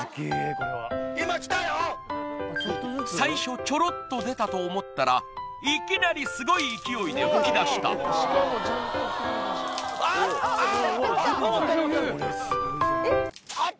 これは最初チョロっと出たと思ったらいきなりすごい勢いで噴き出したあっあっ！